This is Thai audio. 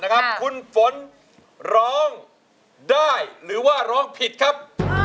คุณฝนรองได้หรือว่าพี่ฝนรองผิดครับ